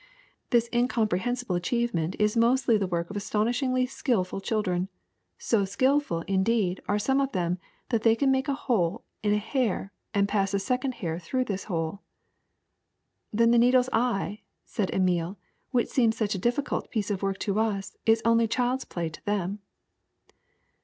'' *'This incomprehensible achievement is mostly the work of astonishingly skilful children. So skilful, indeed, are some of them that they can make a hole in a hair and pass a second hair through this hole." *^Then the needle's eye," said Emile, *^ which seems such a difficult piece of work to us, is only child's play to them."